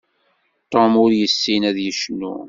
Tom ur yessin ad yecnu.